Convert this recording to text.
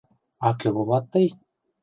— А кӧ улат тый?